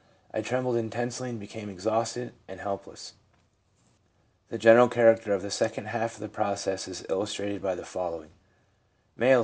I trembled intensely, and became exhausted and helpless/ The general character of the second half of the process is illustrated by the following: M., 16.